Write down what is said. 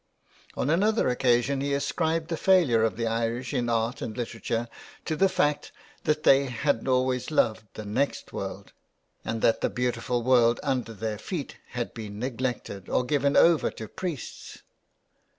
On another occasion he ascribed the failure of the Irish in art and literature to the fact that they had always loved the next world, and that the beautiful world under their feet had been neglected or given over to priests.